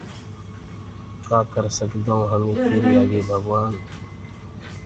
ڪآ ڪر سگدآئونٚ هميٚ تيريٚ آگي ڀگوآن